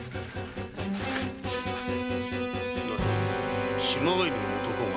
なに島帰りの男が？